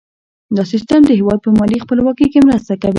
دا سیستم د هیواد په مالي خپلواکۍ کې مرسته کوي.